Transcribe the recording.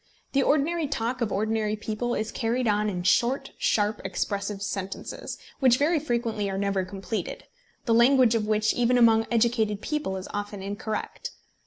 The ordinary talk of ordinary people is carried on in short sharp expressive sentences, which very frequently are never completed, the language of which even among educated people is often incorrect.